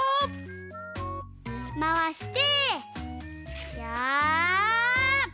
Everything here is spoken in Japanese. まわしてやあ！